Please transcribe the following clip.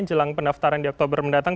jelang pendaftaran di oktober mendatang